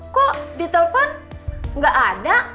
kok ditelepon gak ada